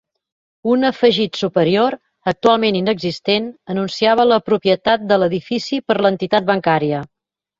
Un afegit superior, actualment inexistent, anunciava la propietat de l'edifici per l'entitat bancària.